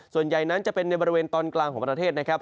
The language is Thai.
ส่วนใหญ่นั้นจะเป็นในบริเวณตอนกลางของประเทศนะครับ